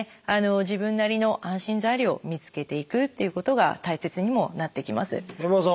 自分なりの安心材料を見つけていくっていうことが大切にもなってきます。